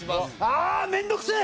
ああ面倒くせえ！